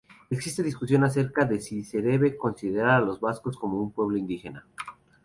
Existe discusión acerca de si debe considerarse a los vascos como un pueblo indígena.